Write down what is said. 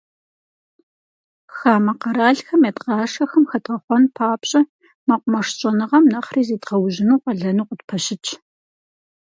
Хамэ къэралхэм едгъашэхэм хэдгъэхъуэн папщӏэ, мэкъумэш щӏэныгъэм нэхъри зедгъэужьыну къалэну къытпэщытщ.